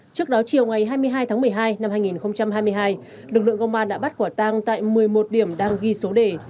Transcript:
trước đó chiều ngày hai mươi hai tháng một mươi hai năm hai nghìn hai mươi hai lực lượng công an đã bắt quả tang tại một mươi một điểm đang ghi số đề